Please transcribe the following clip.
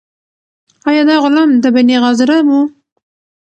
آیا دا غلام د بني غاضرة و؟